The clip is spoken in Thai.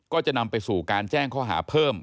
ก็จะนำไปสู่การแจ้งข้อหาเพิ่ม